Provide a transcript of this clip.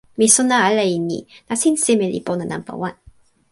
mi sona ala e ni: nasin seme li pona nanpa wan.